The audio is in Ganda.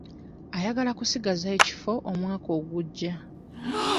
Ayagala kusigaza ekifo omwaka oguja.